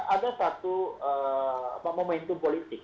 ada satu momentum politik